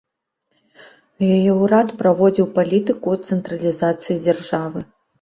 Яе ўрад праводзіў палітыку цэнтралізацыі дзяржавы.